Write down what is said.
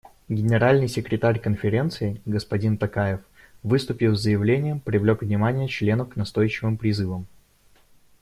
Генеральный секретарь Конференции господин Токаев, выступив с заявлением, привлек внимание членов к настойчивым призывам.